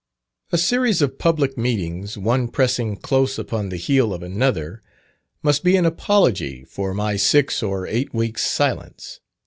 A series of public meetings, one pressing close upon the heel of another, must be an apology for my six or eight weeks' silence.